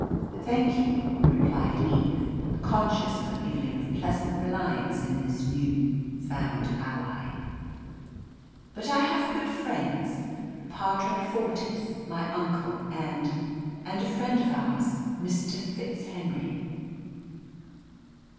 "Thank you," replied Eve, conscious of a feeling of pleasant reliance in this new found ally. "But I have good friends the Padre Fortis, my uncle, and a friend of ours, Mr. FitzHenry."